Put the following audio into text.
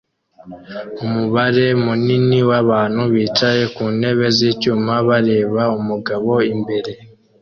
Umubare munini wabantu bicaye ku ntebe zicyuma bareba umugabo imbere